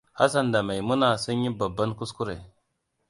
Hassan da Maimuna sun yi babban kuskure.